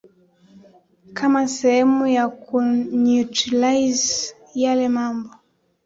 kama sehemu ya kunutralize yale mambo